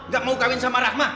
gak mau kawin sama rahma